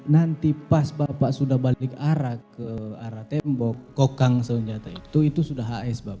nanti pas bapak sudah balik arah ke arah tembok kokang senjata itu itu sudah hs bapak